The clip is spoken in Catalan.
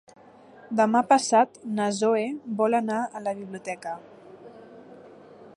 Demà passat na Zoè vol anar a la biblioteca.